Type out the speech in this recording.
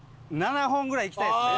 ７本ぐらいいきたいっすね。